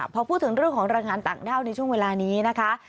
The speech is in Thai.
พอพูดถึงเรื่องของแรงงานต่างด้าวในช่วงเวลานี้นะคะ